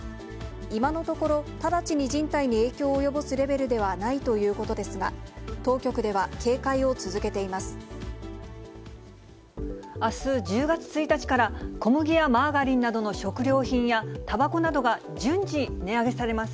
今のところ、直ちに人体に影響を及ぼすレベルではないということですが、あす１０月１日から、小麦やマーガリンなどの食料品や、たばこなどが順次値上げされます。